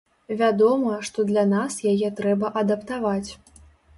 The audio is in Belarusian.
Вядома, што для нас яе трэба адаптаваць.